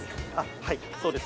はいそうです。